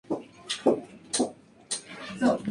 Operó vuelos de cabotaje regulares.